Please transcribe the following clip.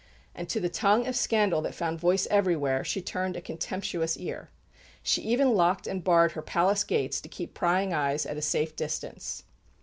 And to the tongue of scandal that found voice everywhere, she turned a contemptuous ear. She even locked and barred her palace gates to keep prying eyes at a safe distance.